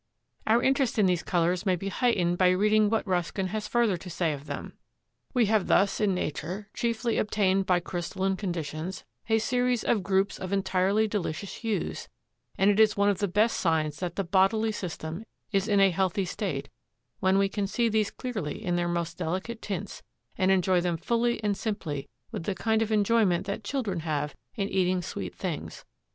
Our interest in these colors may be heightened by reading what Ruskin has further to say of them: "We have thus in nature, chiefly obtained by crystalline conditions, a series of groups of entirely delicious hues; and it is one of the best signs that the bodily system is in a healthy state when we can see these clearly in their most delicate tints and enjoy them fully and simply with the kind of enjoyment that children have in eating sweet things.